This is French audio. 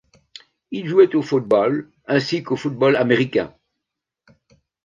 Il jouait au football ainsi qu'au football américain.